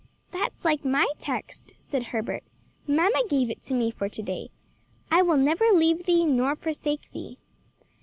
"That's like my text," said Herbert. "Mamma gave it to me for to day. 'I will never leave thee, nor forsake thee.'"